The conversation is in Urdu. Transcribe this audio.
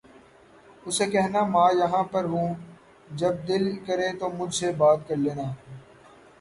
اسے کہنا ماں یہاں پر ہوں جب دل کرے تو مجھ سے بات کر لینا